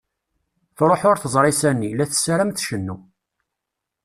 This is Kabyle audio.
Truḥ ur teẓri sani, la tessaram tcennu.